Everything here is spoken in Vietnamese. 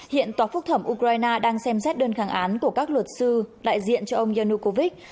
hiện tòa phúc thẩm ukraine đang xem xét đơn kháng án của các luật sư đại diện cho ông yanukovic